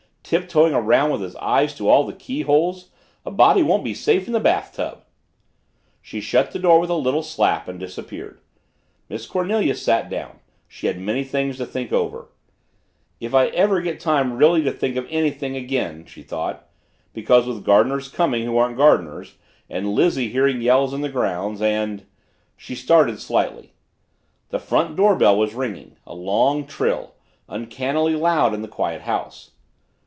"Tiptoeing around with his eye to all the keyholes. A body won't be safe in the bathtub." She shut the door with a little slap and disappeared. Miss Cornelia sat down she had many things to think over "if I ever get time really to think of anything again," she thought, because with gardeners coming who aren't gardeners and Lizzie hearing yells in the grounds and She started slightly. The front door bell was ringing a long trill, uncannily loud in the quiet house.